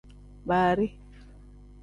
Baari.